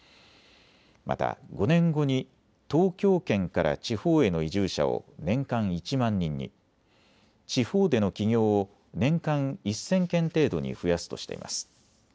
また５年後に東京圏から地方への移住者を年間１万人に、地方での起業を年間１０００件程度に増やすとしています。